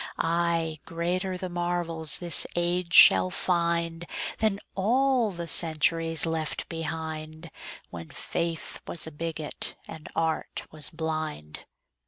Ay, greater the marvels this age shall find Than all the centuries left behind, When faith was a bigot and art was blind.